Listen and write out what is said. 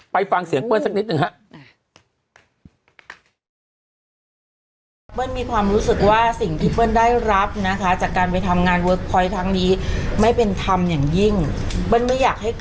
ไปฟังเสียงเปิ้ลสักนิดหนึ่งครับ